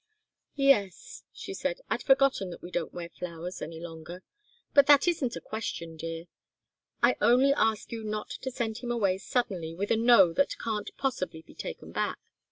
"Yes," she said, "I'd forgotten that we don't wear flowers any longer. But that isn't the question, dear. I only ask you not to send him away suddenly, with a 'no' that can't possibly be taken back.